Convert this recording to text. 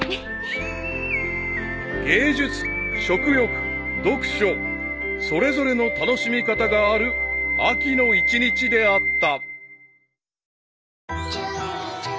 ［芸術食欲読書それぞれの楽しみ方がある秋の一日であった］